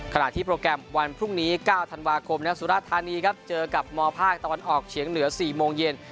ขณะที่โปรแกรมวันพรุ่งนี้๙ธันวาคมสุราธานีครับเจอกับมภาคตะวันออกเฉียงเหนือ๔โมงเย็น